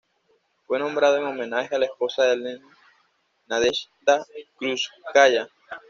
Fue nombrado en homenaje a la esposa de Lenin, Nadezhda Krúpskaya.